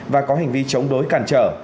và có hành vi chống đối cản trở